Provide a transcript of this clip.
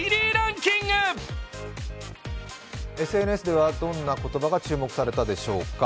ＳＮＳではどんな言葉が注目されたでしょうか。